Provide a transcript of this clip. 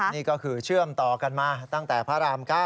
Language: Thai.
นี่ก็คือเชื่อมต่อกันมาตั้งแต่พระราม๙